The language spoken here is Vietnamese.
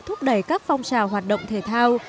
thúc đẩy các phong trào hoạt động thể thao